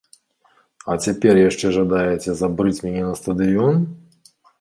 А цяпер яшчэ жадаеце забрыць мяне на стадыён!